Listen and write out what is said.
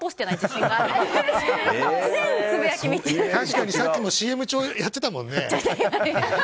確かにさっきもＣＭ中やってたもんね。